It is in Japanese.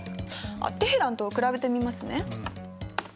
テヘランと比べてみますね。